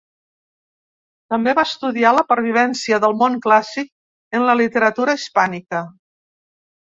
També va estudiar la pervivència del món clàssic en la literatura hispànica.